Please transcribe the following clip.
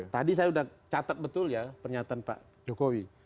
tadi saya sudah catat betul ya pernyataan pak jokowi